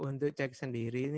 kalau untuk cek sendiri ini